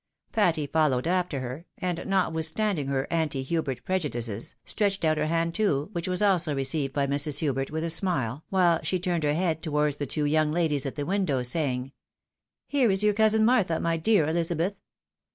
Patty followed after, and notwithstanding her anti Hubert pre judices, stretched out her hand too, which was also received by Mrs. Hubert with a smile, while she turned her head towards the two young ladies at the window, saying, " Here is your cousin Martha, my dear Elizabeth."